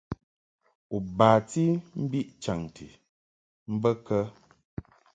U bati mbiʼ chanti bə kə ?